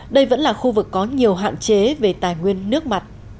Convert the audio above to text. đây vẫn là khu vực có nhiều hạn chế về tài nguyên nước mặt